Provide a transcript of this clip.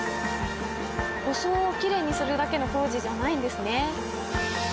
装をきれいにするだけの工事じゃないんですね。